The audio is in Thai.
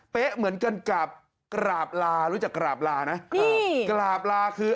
เป๊ะเหมือนกันกับกราบลารู้จักกราบลานะนี่กราบลาคือ